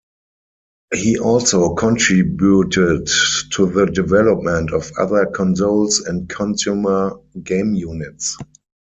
He also contributed to the development of other consoles and consumer game units.